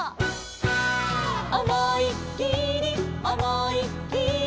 「おもいっきりおもいっきり」